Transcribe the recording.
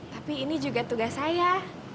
tapi ini juga tugas saya